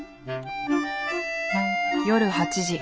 夜８時。